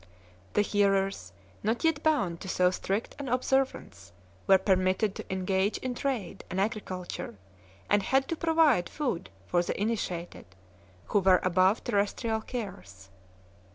The Hearers, not yet bound to so strict an ob servance, were permitted to engage in trade and agri culture, and had to provide food for the Initiated, who were above terrestrial cares.